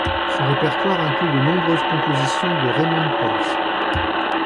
Son répertoire inclut de nombreuses compositions de Raimonds Pauls.